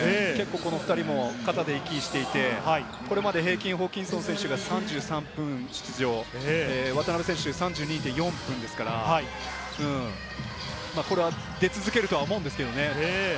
この２人も肩で息していて、これまで平均、ホーキンソン選手が３３分出場、渡邊選手、３２．４分ですからこれは出続けると思うんですけれどもね。